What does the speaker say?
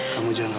kamu jangan lupa